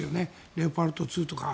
レオパルト２とか。